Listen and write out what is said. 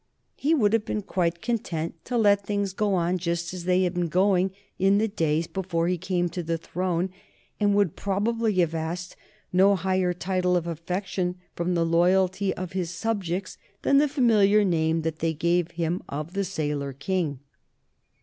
He would have been quite content to let things go on just as they had been going in the days before he came to the throne, and would probably have asked no higher title of affection from the loyalty of his subjects than the familiar name that they gave him of the Sailor King.